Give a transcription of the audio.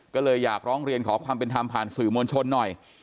ก็เลยอยากร้องเรียนขอความเป็นธรรมผ่านสื่อมวลชนหน่อย